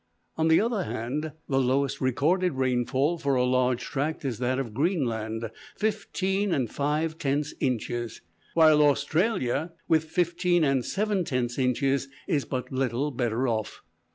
On the other hand, the lowest recorded rainfall for a large tract is that of Greenland fifteen and five tenth inches; while Australia, with fifteen and seven tenth inches, is but little better off.